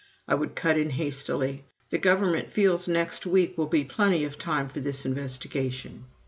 I would cut in hastily: "The Government feels next week will be plenty of time for this investigation."